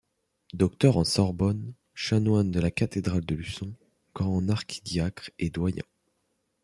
Docteur en Sorbonne, Chanoine de la cathédrale de Luçon, grand archidiacre et doyen.